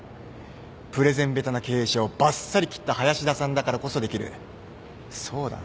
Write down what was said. プレゼン下手な経営者をばっさり切った林田さんだからこそできるそうだな。